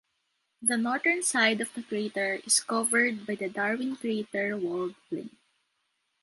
The northern side of the crater is covered by the Darwin Crater walled plain.